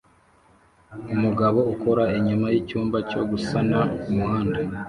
Umugabo ukora inyuma yicyumba cyo gusana kumuhanda